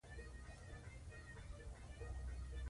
مجاهد د ظلم پر وړاندې خاموش نه وي.